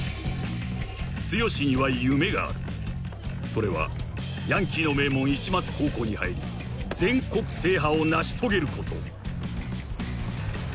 ［それはヤンキーの名門市松高校に入り全国制覇を成し遂げること］